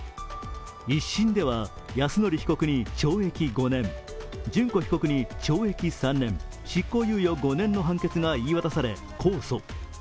１審では泰典被告に懲役５年、諄子被告に懲役３年執行猶予５年の判決が言い渡され控訴。